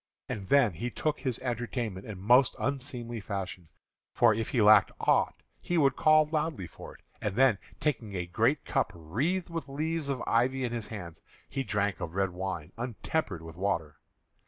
And then he took his entertainment in most unseemly fashion; for if he lacked aught he would call loudly for it; and then, taking a great cup wreathed with leaves of ivy in his hands, he drank of red wine untempered with water.